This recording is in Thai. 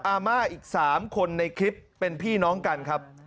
อาม่าอีก๓คนในคลิปเป็นพี่น้องกันครับ